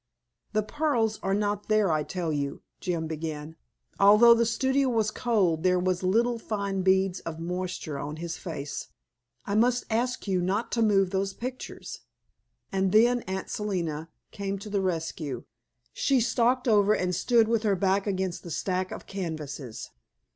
"The pearls are not there, I tell you," Jim began. Although the studio was cold, there were little fine beads of moisture on his face. "I must ask you not to move those pictures." And then Aunt Selina came to the rescue; she stalked over and stood with her back against the stack of canvases.